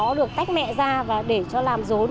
các em bé được tách mẹ ra và để cho làm rốn